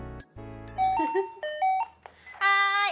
はい！